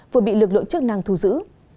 vừa bị lực lượng chức năng thu giữ